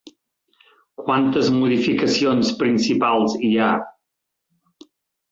Quantes modificacions principals hi ha?